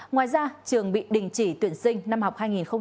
ngoài ra trường bị đình chỉ tuyển sinh năm học hai nghìn hai mươi hai nghìn hai mươi